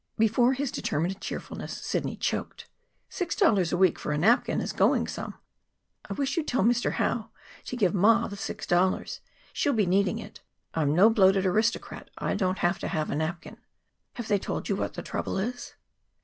Before his determined cheerfulness Sidney choked. "Six dollars a week for a napkin is going some. I wish you'd tell Mr. Howe to give ma the six dollars. She'll be needing it. I'm no bloated aristocrat; I don't have to have a napkin." "Have they told you what the trouble is?"